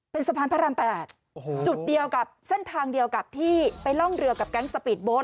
เป็นสะพานพระราม๘จุดเดียวกับเส้นทางเดียวกับที่ไปล่องเรือกับแก๊งสปีดโบ๊